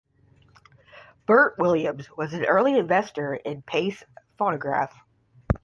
Bert Williams was an early investor in Pace Phonograph.